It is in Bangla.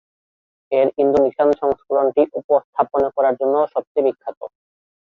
এর ইন্দোনেশিয়ান সংস্করণটি উপস্থাপনা করার জন্য সবচেয়ে বিখ্যাত।